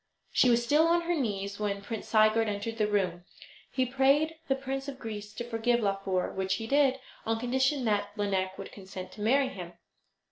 She was still on her knees when Prince Sigurd entered the room. He prayed the Prince of Greece to forgive Laufer, which he did, on condition that Lineik would consent to marry him.